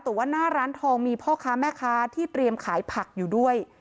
แต่ว่าหน้าร้านทองมีพ่อค้าแม่ค้าที่เตรียมขายผักอยู่ด้วย